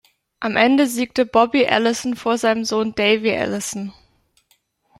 Am Ende siegte Bobby Allison vor seinem Sohn Davey Allison.